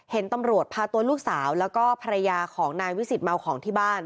เห็นตำรวจพาตัวลูกสาวแล้วก็ภรรยาของนายวิสิตเมาของที่บ้าน